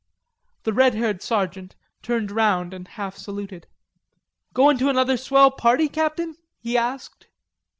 The red haired sergeant turned round and half saluted. "Goin' to another swell party, Captain?" he asked.